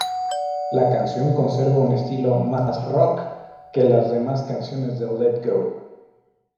La canción conserva un estilo más "rock" que las demás canciones de "Let Go".